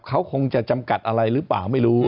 เขาคงจะจำกัดอะไรหรือเปล่าไม่รู้